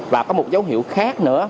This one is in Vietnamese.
và có một dấu hiệu khác nữa